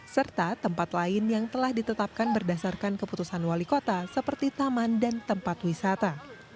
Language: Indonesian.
serta tempat lain yang telah ditetapkan berdasarkan keputusan wali kota seperti taman dan tempat wisata